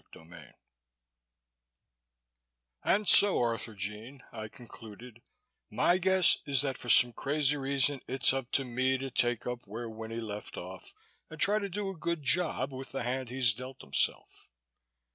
CHAPTER 8 "And so, Arthurjean," I concluded, "my guess is that for some crazy reason it's up to me to take up where Winnie left off and try to do a good job with the hand he's dealt himself."